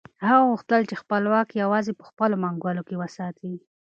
هغه غوښتل چې خپل واک یوازې په خپلو منګولو کې وساتي.